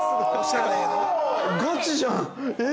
◆ガチじゃん、え。